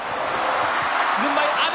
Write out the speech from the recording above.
軍配は阿炎。